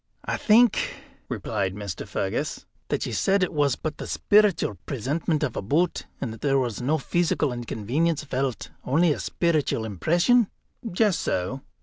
"I think," replied Mr. Fergus, "that you said it was but the speeritual presentment of a boot, and that there was no pheesical inconvenience felt, only a speeritual impression?" "Just so."